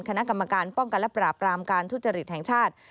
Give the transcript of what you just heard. คณะกรรมการป้องกันและปราบรามการทุจริตแห่งชาติ